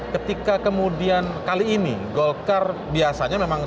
ketika kemudian kali ini golkar biasanya memang